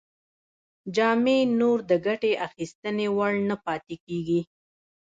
جامې نور د ګټې اخیستنې وړ نه پاتې کیږي.